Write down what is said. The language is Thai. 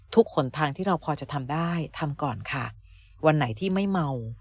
หนทางที่เราพอจะทำได้ทำก่อนค่ะวันไหนที่ไม่เมา